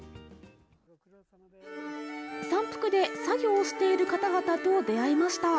山腹で作業をしている方々と出会いました